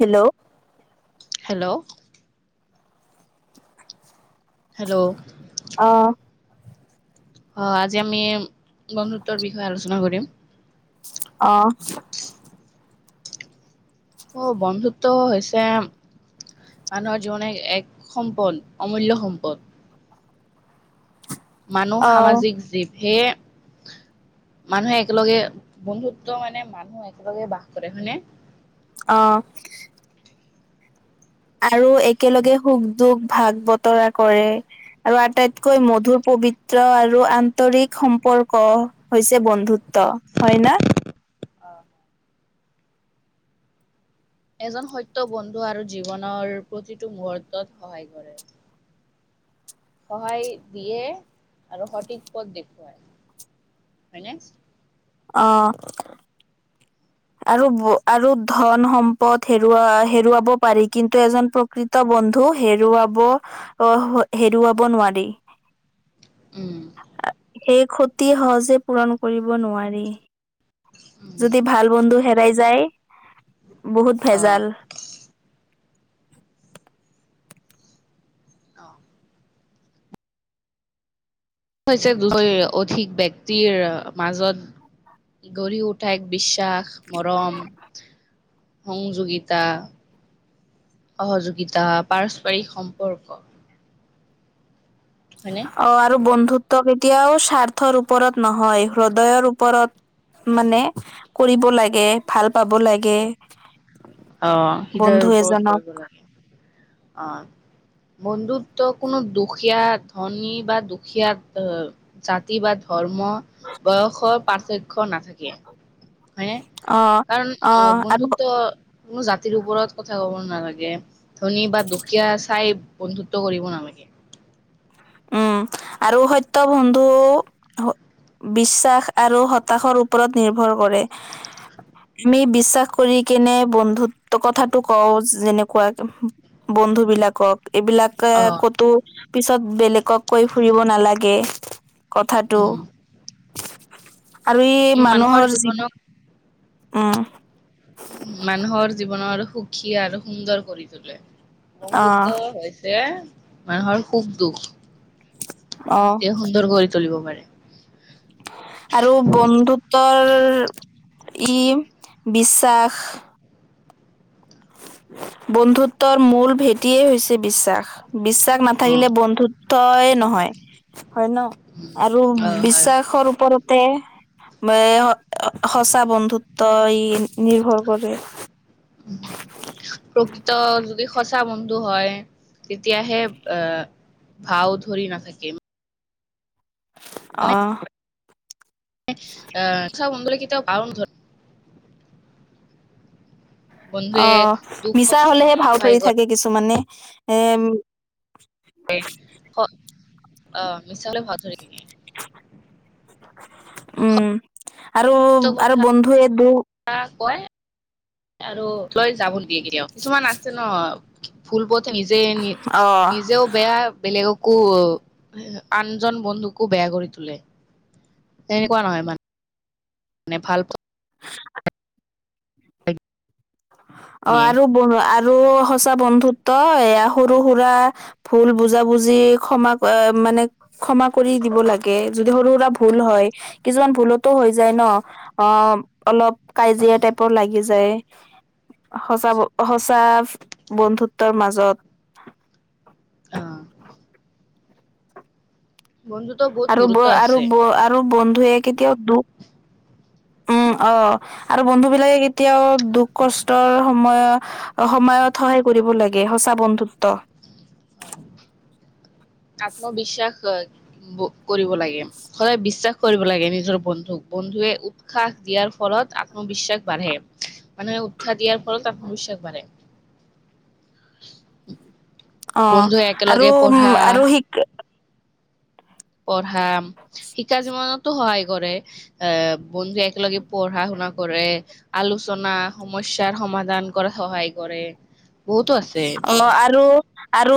Hello hello hello অ হয় আজি আমি বন্ধুত্বৰ বিষয়ে আলোচনা কৰিম অ [unintelligible] অ', বন্ধুত্ব হৈছে মানুহৰ জীৱনে এক সম্পদ অমূল্যয় সম্পদ। মানুহ অ', সামাজিক জীৱ সেইয়ে মানুহে একেলগে বন্ধুত্ব মানে মানুহ একেলগে বাস কৰে হয়নে? অ'। আৰু একেলগে সুখ-দুখ ভাগ বতৰা কৰে। আৰু আটাইতকৈ মধুৰ পবিত্ৰ আৰু আন্তৰিক সম্পৰ্ক হৈছে বন্ধুত্ব। হয়, না? অ'। এজন সত্য বন্ধু আৰু জীৱনৰ প্ৰতিটো মুহুৰ্তত সহায় কৰে। সহায় দিয়ে আৰু সঠিক পথ দেখুৱায়। হয়, নে? অ'। আৰু আৰু ধন সম্পদ হেৰুৱা হেৰুৱাব পাৰি কিন্তু এজন প্ৰকৃত বন্ধু হেৰুৱাব আহ, হেৰুৱাব নোৱাৰি। উম। সেই ক্ষতি সহজে পূৰণ কৰিব নোৱাৰি, উম যদি ভাল বন্ধু হেৰাই যায়, বহুত অ ভেজাল। অ'। হৈছে দুশৈ অধিক ব্যক্তিৰ মাজত গঢ়ি উঠ ঠা এক বিশ্বাস মৰম। সংযোগিতা, সহযোগিতা পাৰস্পৰিক সম্পৰ্ক। হয়, নে? অ', আৰু বন্ধুত্ব কেতিয়াও স্বাৰ্থৰ ওপৰত নহয়, হৃদয়ৰ ওপৰত মানে কৰিব লাগে, ভাল পাব লাগে। আহ, বন্ধু হৃদয়ৰ ওপৰত এজনক কৰিব লাগে অ'। বন্ধুত্ব কোনো দুখীয়া ধনী বা দুখীয়া জাতি বা ধৰ্ম বয়সৰ পাৰ্থক্য নাথাকে। হয়, নে? অ কাৰণ অ আৰু বন্ধুত্ব কোনো জাতিৰ ওপৰত কথা ক'ব নালাগে। ধনী বা দুখীয়া চাই বন্ধুত্ব কৰিব নালাগে। উম, আৰু সত্য বন্ধু বিশ্বাস আৰু হতাশৰ ওপৰত নিৰ্ভৰ কৰে। আমি বিশ্বাস কৰি কেনে বন্ধুত্ব কথাটো কওঁ যেনেকুৱা বন্ধু বিলাকক। এইবিলাক অ' ক'তো পিছত বেলেগক কৈ ফুৰিব নালাগে। কথাটো। উম, আৰু ই মানুহৰ জীৱন, উম। মানুহৰ জীৱনৰ সুখী আৰু সুন্দৰ কৰি তোলে। অ বন্ধুত্ব হৈছে মানুহৰ দুখ-দুখ। অ [unintelligible] সুন্দৰ কৰি তুলিব পাৰে। আৰু বন্ধুত্বৰ ই বিশ্বাস বন্ধুত্বৰ মূল ভেটিয়েই হৈছে বিশ্বাস, বিশ্বাস অ নাথাকিলে বন্ধুত্ব য় নহয়, হয় ন' আৰু অ হয় বিশ্বাসৰ ওপৰত তে সঁচা বন্ধুত্ব ই নিৰ্ভৰ কৰে। প্ৰকৃত যোনটো যদি সঁচা বন্ধু হয়, তেতিয়াহে এ ভাঁও ধৰি নাথাকিম। অঁহ ই চাঁও মন গ'লে কেতিয়াও পাৰন ধ অঁ বন্ধুৱে অঁ, দুখ মিছা কষ্টৰ হ'লেহে সময়ত ভাওঁ সহায় ধৰি কৰে। থাকে কিছুমানে এ এই হ মিছা হ'লে ভাও ধৰে নিকি? উম আৰু আৰু বন্ধু এ দু আ কয় আৰু লৈ যাব দিয়ে কেতিয়াও কিছুমান আছে ন ভুল পথে নিজে নি অ নিজেও বেয়া বেলেগক কো আনজন বন্ধুকো বেয়া কৰি তোলে, তেনেকুৱা নহয় মান নে ভাল অঁ নিয়ে আৰু ব আৰু সঁচা বন্ধুত্ব এয়া সৰু সুৰা ভুল বুজা বুজি ক্ষমা ক এ মানে ক্ষমা কৰি দিব লাগে, যদি সৰু সুৰা ভুল হয় কিছুমান ভুলতো হৈ যায় ন। অঁ, অলপ কাজিয়া টাইপৰ লাগি যায়। সঁচা ব সঁচা বন্ধুত্বৰ মাজত। অঁ বন্ধুত্ব বহুত আৰু ব গুৰুত্ব আৰু আছে ব আৰু বন্ধুৱে কেতিয়াও দুখ উম অ' আৰু বন্ধু বিলাকে কেতিয়াও দুখ কষ্টৰ সময় সময়ত সহায় কৰিব লাগে সঁচা বন্ধুত্ব। আত্মবিশ্বাস অ কৰিব লাগে সদায় বিশ্বাস কৰিব লাগে নিজৰ বন্ধুক। বন্ধুৱে উৎসাহ দিয়াৰ ফলত আত্মবিশ্বাস বাঢ়ে। মানুহে উৎসাহ দিয়াৰ ফলত আত্মবিশ্বাস বাঢ়ে। অ বন্ধুৱে আৰু একেলগে উম পঢ়া। আৰু শিক পঢ়াম শিক্ষা জীৱনত টো সহায় কৰে। এ বন্ধু একেলগে পঢ়া শুনা কৰে। আলোচনা সমস্যাৰ সমাধান কৰাত সহায় কৰে। বহুতো আছে এইবোৰ। অঁ আৰু আৰু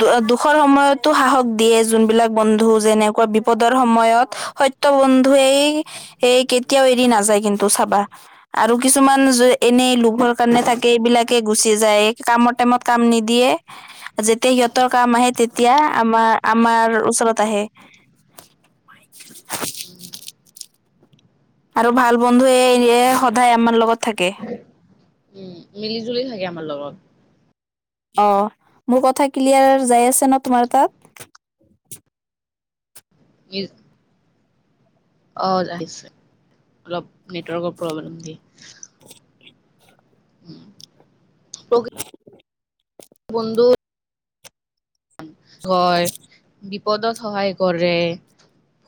দু দুখৰ সময়তো সাহস দিয়ে যোনবিলাক বন্ধু যেনেকুৱা বিপদৰ সময়ত। সত্য বন্ধুেৱে ই কেতিয়াও এৰি নাযায় কিন্তু চাবা। আৰু কিছুমান য এনেই লোভৰ কাৰণে থাকে এইবিলাকে গুচি যায়। কামৰ টাইমত কাম নিদিয়ে। যেতিয়া সিহঁতৰ কাম আহে, তেতিয়া আমাৰ-আমাৰ ওচৰত আহে। আৰু ভাল বন্ধুয়ে ইয়ে সদায় আমাৰ লগত থাকে। উম, মিলি জুলি থাকে আমাৰ লগত। অঁ, মোৰ কথা ক্লিয়াৰ যাই আছে ন তোমাৰ তাত?। ইউ অঁ আহিছে। অলপ নেটৱৰ্কৰ প্ৰব্লেম দিয়ে [unintelligible] প্ৰকৃত বন্ধু ভয় বিপদত সহায় কৰে।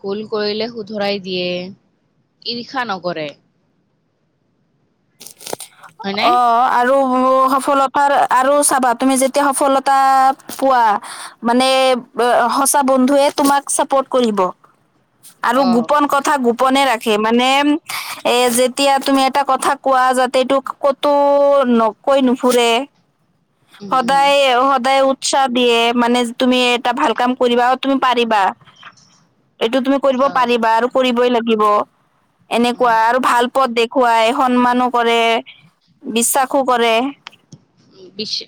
ভুল কৰিলে শুধৰাই দিয়ে। ইৰ্ষা নকৰে। হয়নে? অ' আৰু স সফলতাৰ, আৰু চাবা তুমি যেতিয়া সফলতা পোৱা। মানে ব-সচা বন্ধুৱে তোমাক চাপৰ্ট কৰিব। আৰু অ' গোপন ক। থা গোপনে ৰাখে মানে এ, যেতিয়া তুমি এটা কথা কোৱা যাত। তেটোক কতো নকৈ নুফুৰে, উম, উম, সদায়-সদায়। উচ্ছাহ দিয়ে মানে তুমি এটা ভাল কাম কৰিবা তুমি পাৰিবা। এইটো তুমি কৰিব অ', পাৰিবা আৰু কৰিবই লাগিব। অ'। এনেকুৱা আৰু ভাল পথ দে। খুৱাই সন্মানো কৰে, বিশ্বাসো কৰে। বিশ্ব,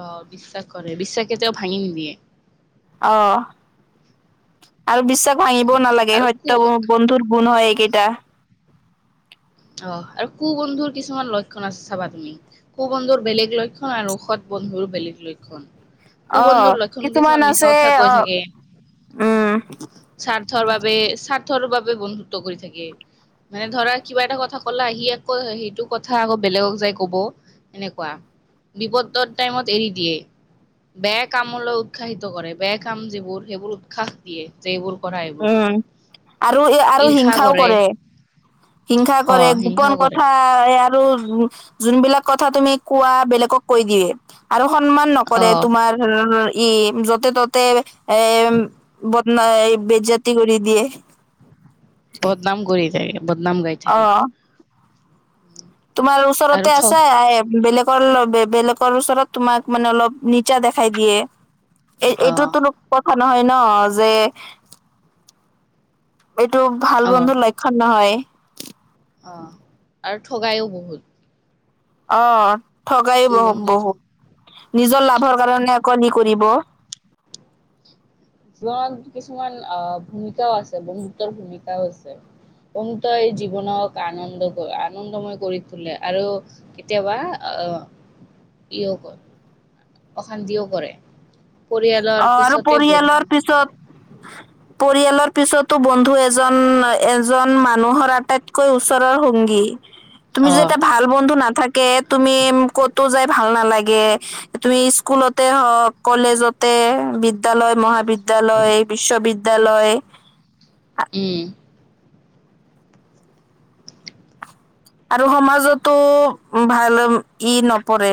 অ', বিশ্বাস কৰে বিশ্বাস কেতিয়াও ভাঙি নিদিয়ে। অ', আৰু বিশ্বাস ভাঙিবও নালাগে আৰু কু সত্যবোৰ। বন্ধুৰ গুণ হয় এইকেইটা। অ', আৰু কু বন্ধুৰ কিছুমান লক্ষণ আছে চাবা তুমি। কু বন্ধুৰ বেলেগ লক্ষণ আৰু সৎ বন্ধুৰ বেলেগ লক্ষণ। কু অ বন্ধুৰ লক্ষণ কিছুমান মিছা আছে কথা কৈ অ থাকে। উম স্বাৰ্থৰ বাবে, স্বাৰ্থৰ বাবে বন্ধুত্ব কৰি থাকে। মানে ধৰা কিবা এটা কথ। কথা ক'লা হি আকৌ সেইটো কথা আকৌ বেলেগক যাই কব, এনেকুৱা। বিপদৰ টাইমত এৰি দিয়ে। বেয়া কামলৈ উৎসাহিত কৰে, বেয়া কাম যিবোৰ সেইবোৰ উৎসাহ। দিয়ে যে এইবোৰ কৰা। এইবোৰ কৰা উম, আৰু এ, আৰু হিংসাও কৰে। হিংসা অ কৰে, হিংসা গোপন কৰে কথা। আৰু যোনবিলাক কথা তুমি কোৱা বেলেগক কৈ দিয়ে, আৰু সন্মান নক। কৰে অ তোমাৰ ই য'তে ত'তে এ, বদনা এই-। বেজ্জাতি কৰি দিয়ে। বদনাম কৰি থাকে, বদনাম গাই। থাকে অ'। তোমাৰ আৰু ওচৰতে ঠ আছে, এ বেলেগ। বল বে বেলেগৰ ওচৰত তোমাক মানে অলপ নিচা দেখাই দিয়ে। অ এই-এইটোতো উপৰত নহয় ন যে। এইটো ভাল অ বন্ধুৰ লক্ষণ নহয়। অ', আৰু ঠগায়ো বহুত। অ', থগাই টু বন্ধুৱে বহ-বহুত। নিজৰ লাভৰ কাৰণে আকৌ নি কৰিব। জীৱনত কিছুমান আ, ভূমিকাও আছে বন্ধুত্বৰ ভূমিকাও আছে। বন্ধুত্বই জীৱনক আনন্দ-আনন্দময় কৰি তোলে, আৰু। কেতিয়াবা অ কিয় ক। অশান্তিও কৰে। অ পৰিয়ালৰ আৰু পিছতে বন্ধু। পৰিয়ালৰ পিছত। [inaudible] পৰিয়ালৰ পিছতো বন্ধু এজন এজন মানুহৰ আটাইতকৈ ওচৰৰ সংগী। তুমি অ যে এটা ভাল বন্ধু নাথাকে তুমি কতো যাই ভাল নালাগে। তুমি স্কুলতে হওক কলেজত। তে বিদ্যালয় মহাবিদ্যালয় বিশ্ববিদ্যালয়। উম। আৰু সমাজতো ভাল ই নপৰে।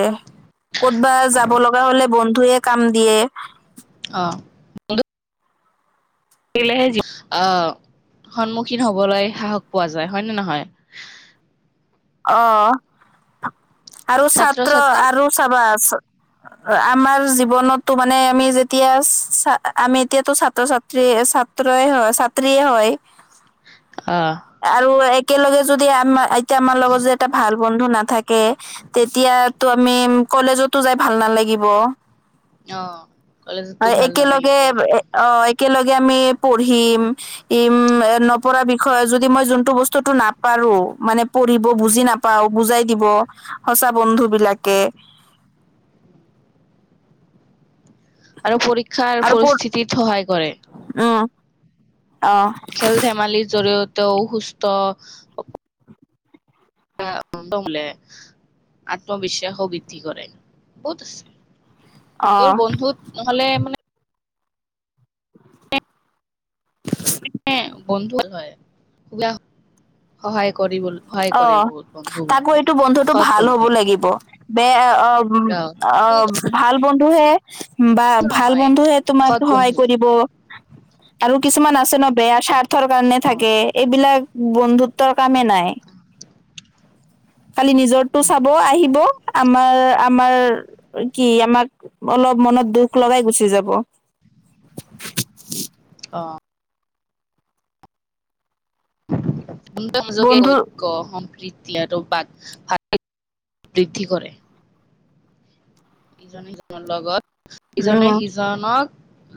ক'তবা যাব লগা হ'লে বন্ধুৱে কাম দিয়ে। অ'। কিলেহে জী-আ, সন্মুখীন হ'বলৈ সাহস পোৱা যায়। হয় নে নহয়? অ', আৰু ছাত্ৰ আৰু চাবা ছা আমাৰ জীৱনতো মানে আমি যেতিয়া ছা-আমি এতিয়াতো ছাত্ৰ-ছাত্ৰী ছা হয় ছাত্ৰীয়ে হয়। অহ'। আৰু একেলগে যদি আমাৰ এতিয়া আমাৰ লগত যে এটা ভাল বন্ধু নাথাকে- তেতিয়াতো আমি কলেজতো যায় ভাল নালাগিব। অঁ' কলেজতো ভাল নালাগিব। অঁ' একেলগে আমি পঢ়িম। নপঢ়াৰ বিষয়ে যদি মই যোনটো বস্তুটো নাপাৰো মানে পঢ়িব বুজি না পাওঁ বুজাই দিব সঁচা বন্ধু বিলাকে। আৰু পৰীক্ষাৰ পৰিস্থিতিত সহায় কৰে। উমঁ' অহ'। খেল ধেমালিৰ জৰিয়তেও সুস্থ আত্মবিশ্বাস বৃদ্ধি কৰে, বহুত আছে। অ তেওঁৰ বন্ধুত নহ'লে মানে [inaudible] বন্ধু হয়। [unintelligible] সহায় কৰিব, সহায় অ কৰে বহুত তাকো বন্ধু-বন্ধুৱে, এইটো বন্ধুটো সৎ ভাল হ'ব বন্ধুৱে। লাগিব বেয়া অঁ' অ অঁ'। ভাল বন্ধুহে বা ভাল নহয় বন্ধুহে তোমাক সৎ সহায় বন্ধু কৰিব। আৰু কিছুমান আছে ন' বেয়া স্বাৰ্থৰ কাৰণে অ থাকে। এইবিলাক বন্ধুত্বৰ কামে নাই। খালি নিজৰটো উম চাব আহিব- আমাৰ, আমাৰ কি আমাক অলপ মনত দুখ লগাই গুচি যাব। অঁ। [unintelligible] বন্ধু ঐক্য সম্প্ৰীতি- দিয়াতো [unintelligible] বৃদ্ধি কৰে। ইজনে সিজনৰ লগত, ইজনে উম সিজনক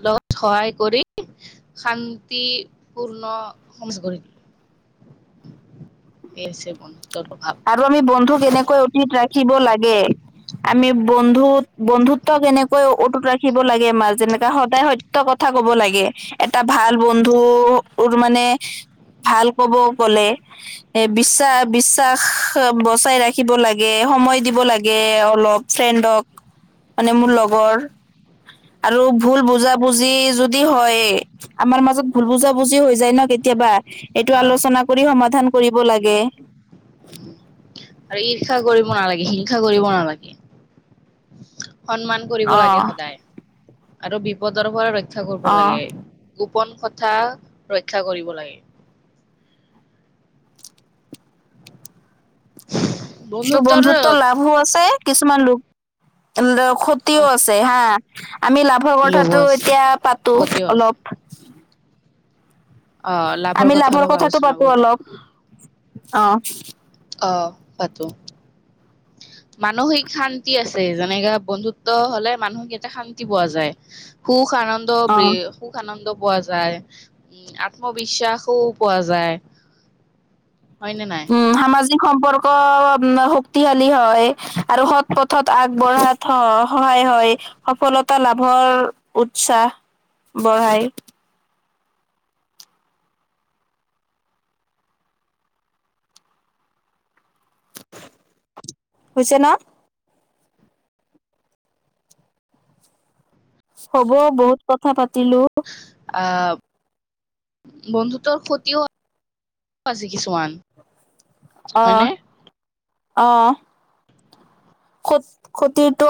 লগত সহায় কৰি- শান্তিপূৰ্ণ [unintelligible] এই হৈছে বন্ধুত্বৰ প্ৰভাৱ। আৰু আমি বন্ধু কেনেকৈ অতীত ৰাখিব লাগে। আমি বন্ধুত বন্ধুত্ব কেনেকৈ অটুত ৰাখিব লাগে, আমাৰ যেনেকা সদায় সত্য কথা ক'ব লাগে, এটা ভাল বন্ধু তোৰ মানে ভাল ক'ব গ'লে এ বিশ্বাস বি শ্বাস বচাই ৰাখিব লাগে, সময় দিব লাগে অলপ ফ্ৰেণ্ডক। মানে মোৰ লগৰ আৰু ভুল বুজা বুজি যদি হয়- আমাৰ মাজত ভুল বুজা বুজিও হৈ যায় ন' কেতিয়াবা। এইটো অ' আলোচনা কৰি সমাধান কৰিব লাগে। আৰু ঈৰ্ষা কৰিব নালাগে, হিংসা কৰিব নালাগে। সন্মান কৰিব অ লাগে সদায় আৰু বিপদৰ পৰা ৰক্ষা কৰিব অ লাগে। গোপন কথা ৰক্ষ্যা কৰিব লাগে। বন্ধুত্বৰ বন্ধুত্ব লাভো আছে কিছুমান লোক ক্ষতিও আছে হা। আমি লাভৰ লোভো কথাটো আছে, এতিয়া পাতো ক্ষতিও আছে। অলপ। অ' আমি কথা লাভৰ অলপ কথাটো আলোচনা পাপো কৰো, অলপ অ। অ পাতো। মানসিক শান্তি আছে যেনেকা বন্ধুত্ব হলে মানুহ কেইটা শান্তি পোৱা যায়। সুখ আনন্দ অ ব্ৰে। সুখ আনন্দ পোৱা যায় উম আত্মবিশ্বাসো পোৱা যায়। হয়নে নাই। উম সামাজিক সম্পৰ্ক শক্তিশালী হয় আৰু সৎ পথত আগবঢ়াত। স সহায় হয় সফলতা লাভৰ উৎসাহ বঢ়ায়। হৈছে ন। হ'ব বহুত কথা পাতিলোঁ। আ বন্ধুত্বৰ খতিও আজি কিছুমান। অ হয়নে? অ। ক্ষত ক্ষতিটো।